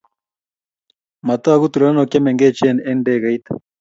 Matogu tulonok che mengech eng' ndegeit.